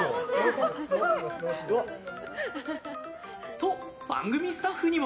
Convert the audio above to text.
と、番組スタッフにも。